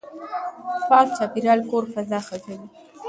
پاک چاپېريال کور فضا ښه کوي.